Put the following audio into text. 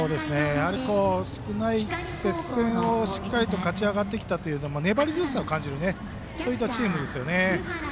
やはり接戦をしっかりと勝ち上がってきたのも粘り強さを感じるそういったチームですね。